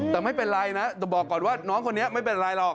แต่ไม่เป็นไรนะแต่บอกก่อนว่าน้องคนนี้ไม่เป็นไรหรอก